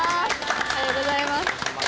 おはようございます。